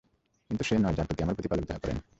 কিন্তু সে নয় যার প্রতি আমার প্রতিপালক দয়া করেন।